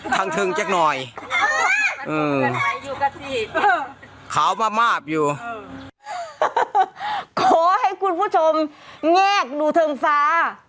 ทางเทิงแจ๊กหน่อยอืมขาวมาบมาบอยู่ขอให้คุณผู้ชมแยกดูเทิงฟ้า